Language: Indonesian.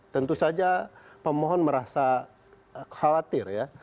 tentu saja pemohon merasa khawatir ya